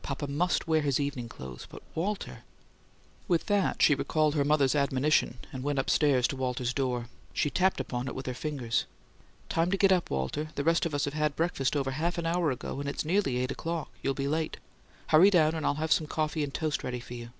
Papa MUST wear his evening clothes. But Walter " With that she recalled her mother's admonition, and went upstairs to Walter's door. She tapped upon it with her fingers. "Time to get up, Walter. The rest of us had breakfast over half an hour ago, and it's nearly eight o'clock. You'll be late. Hurry down and I'll have some coffee and toast ready for you."